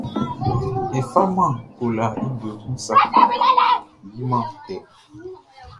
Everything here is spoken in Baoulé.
E faman kolaʼn i bue kun sa naan yʼa yi tɛ.